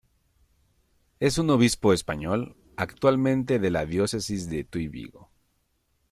Es un obispo español, actualmente de la diócesis de Tuy-Vigo.